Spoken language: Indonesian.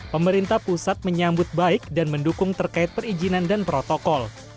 pemerintah pusat menyambut baik dan mendukung terkait perizinan dan protokol